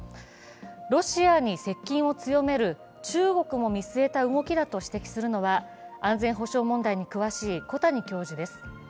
ロシアに接近を強める中国も見据えた動きだと指摘するのは安全保障問題に詳しい小谷教授です。